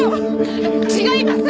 違います！